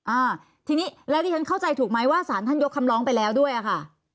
อ่าทีนี้แล้วที่ฉันเข้าใจถูกไหมว่าสารท่านยกคำร้องไปแล้วด้วยอะค่ะ